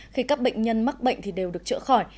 khi các bệnh nhân mắc bệnh thì đều được chữa khỏi